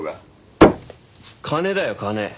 金だよ金。